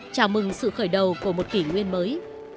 chào mừng sự khởi đầu của một kỷ nguyên mới